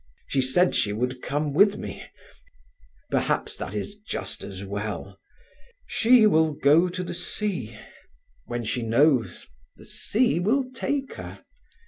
"She said she would come with me—perhaps that is just as well. She will go to the sea. When she knows, the sea will take her.